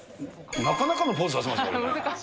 なかなかのポーズさせますね、これね。